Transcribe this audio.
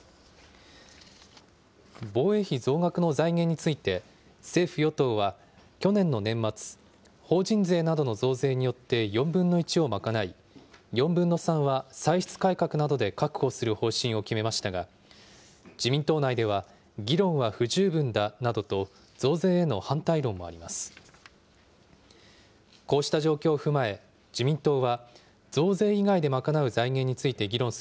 防衛費増額の財源について、政府・与党は去年の年末、法人税などの増税によって４分の１を賄い、４分の３は歳出改革などで確保する方針を決めましたが、自民党内では、議論は不十分だなどと、増税への反対論もあります。